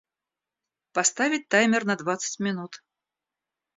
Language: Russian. Поставить таймер на двадцать минут.